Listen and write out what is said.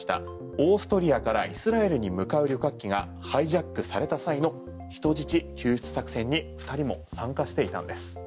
オーストリアからイスラエルに向かう旅客機がハイジャックされた際の人質救出作戦に２人も参加していたんです。